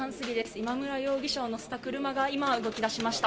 今村容疑者を乗せた車が今、動きだしました。